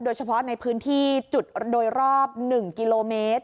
โดยเฉพาะในพื้นที่จุดโดยรอบ๑กิโลเมตร